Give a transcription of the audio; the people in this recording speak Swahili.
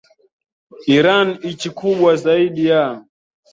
Iran nchi kubwa zaidi ya